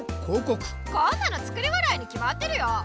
こんなの作り笑いにきまってるよ。